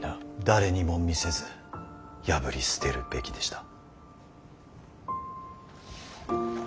誰にも見せず破り捨てるべきでした。